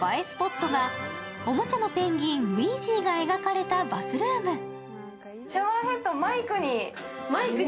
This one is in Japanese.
スポットがおもちゃのペンギン、ウィジーが描かれたバスルーム。